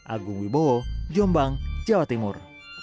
agung wibowo jombang jawa timur